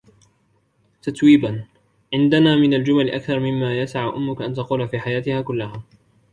تتويبا: عندنا من الجمل أكثر مما يسعُ أمك أن تقول في حياتها كلها.